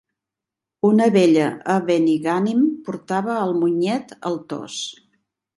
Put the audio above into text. Una vella a Benigànim portava el monyet al tos.